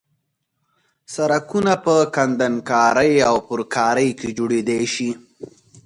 سرکونه په کندنکارۍ او پرکارۍ کې جوړېدای شي